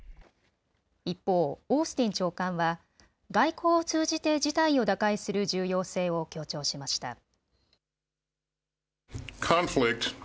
一方、オースティン長官は外交を通じて事態を打開する重要性を強調しました。